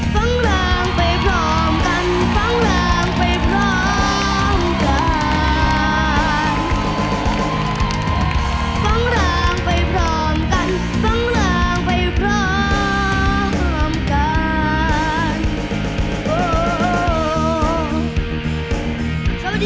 ฟังรางไปพร้อมกันฟังลางไปพร้อมกัน